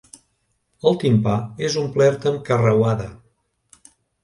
El timpà és omplert amb carreuada.